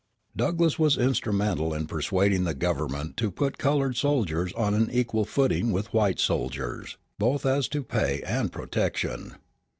Douglass was instrumental in persuading the government to put colored soldiers on an equal footing with white soldiers, both as to pay and protection.